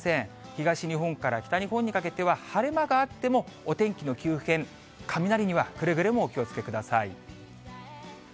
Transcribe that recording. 東日本から北日本にかけては、晴れ間があっても、お天気の急変、雷にはくれぐれもお気をつけください。